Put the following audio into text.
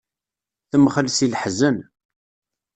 Temxell si leḥzen.